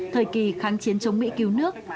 thời kỳ kháng chiến chống mỹ cứu nước